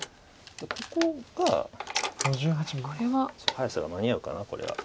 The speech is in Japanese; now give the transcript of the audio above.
早さが間に合うかなこれは。